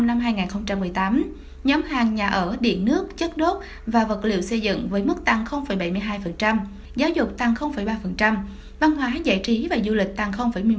nhóm hàng nhà ở điện nước chất đốt và vật liệu xây dựng với mức tăng bảy mươi hai giáo dục tăng ba văn hóa giải trí và du lịch tăng một mươi một